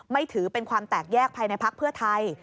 ถือเป็นความแตกแยกภายในพักเพื่อไทย